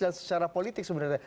dan secara politik sebenarnya